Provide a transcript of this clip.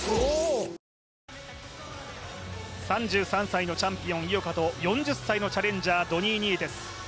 ３３歳のチャンピオン井岡と４０歳のチャレンジャー、ドニー・ニエテス